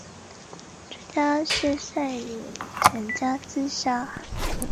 朱家仕率领全家自杀。